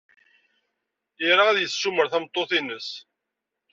Ira ad yessumar tameṭṭut-nnes.